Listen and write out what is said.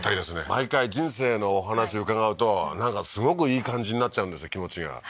毎回、人生のお話を伺うと、なんかすごくいい感じになっちゃうんですよ、気持ちが。